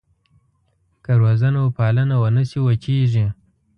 که روزنه وپالنه ونه شي وچېږي.